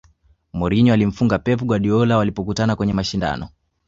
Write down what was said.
mourinho alimfunga pep guardiola walipokutana kwenye mashindano